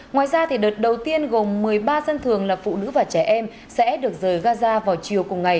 ngoài ra đợt đầu tiên gồm một mươi ba dân thường là phụ nữ và trẻ em sẽ được rời gaza vào chiều cùng ngày